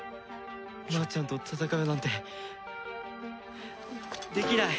マーちゃんと戦うなんてできない！